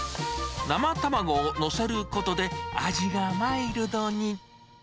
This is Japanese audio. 生卵を載せることで、味がマイルドに。